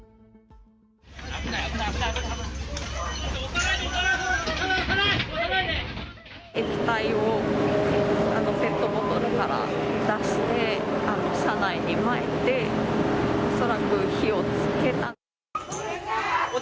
ちょっと押さないで、液体をペットボトルから出して、車内にまいて、恐らく火をつけた。